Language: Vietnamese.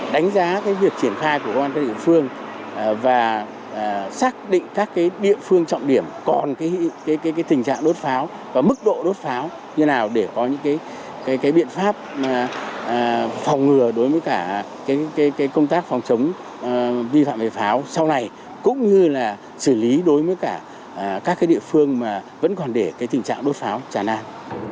đánh giá cái việc triển khai của công an các địa phương và xác định các cái địa phương trọng điểm còn cái tình trạng đốt pháo và mức độ đốt pháo như thế nào để có những cái biện pháp phòng ngừa đối với cả cái công tác phòng chống vi phạm về pháo sau này cũng như là xử lý đối với cả các cái địa phương mà vẫn còn để cái tình trạng đốt pháo tràn an